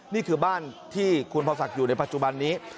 นี่คือบ้านที่คุณพรศักดิ์อยู่ในปัจจุบันนี้